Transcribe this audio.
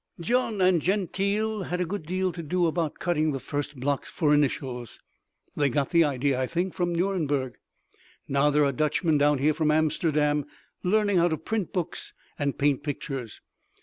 Gian and Gentile had a good deal to do about cutting the first blocks for initials—they got the idea, I think, from Nuremberg. And now there are Dutchmen down here from Amsterdam learning how to print books and paint pictures.